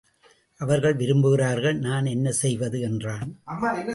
அவர்கள் விரும்புகிறார்கள் நான் என்ன செய்வது என்றான்.